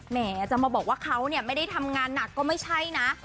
แม้จะมาบอกว่าเขาไม่ได้ทำงานหนักก็ไม่ใช่นะ